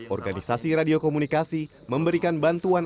organisasi radio komunikasi memberikan bantuan